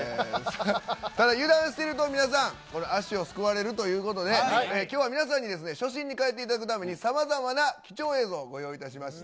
ただ、油断してると皆さん、足をすくわれるということで、きょうは皆さんに初心にかえっていただくために、さまざまな貴重映像をご用意いたしました。